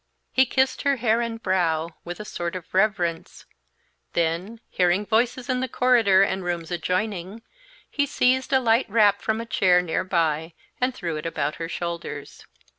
He kissed her hair and brow, with a sort of reverence; then, hearing voices in the corridor and rooms adjoining, he seized a light wrap from a chair near by and threw it about her shoulders.